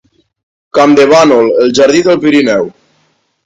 Campdevànol, el jardí del Pirineu.